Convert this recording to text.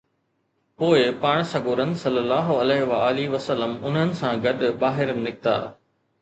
پوءِ پاڻ سڳورن صلي الله عليه وآله وسلم انهن سان گڏ ٻاهر نڪتا